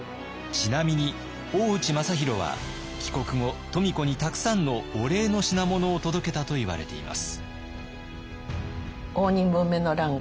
ちなみに大内政弘は帰国後富子にたくさんのお礼の品物を届けたといわれています。